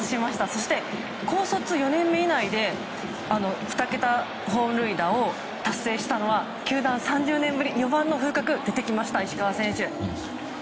そして高卒４年目以内で２桁本塁打を達成したのは球団３０年ぶり４番の風格が出てきました石川選手。